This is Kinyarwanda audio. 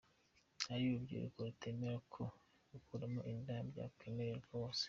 Hari urubyiruko rutemera ko gukuramo inda byakwemererwa bose.